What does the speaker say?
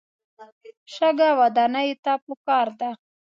شګه ودانیو ته پکار ده.